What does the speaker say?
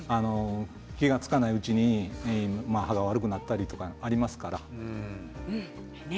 気が付かないうちに歯が悪くなったりありますから。